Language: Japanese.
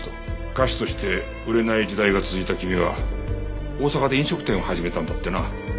歌手として売れない時代が続いた君は大阪で飲食店を始めたんだってな。